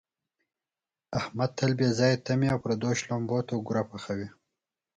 احمد تل بې ځایه تمې او پردیو شړومبو ته اوګره پحوي.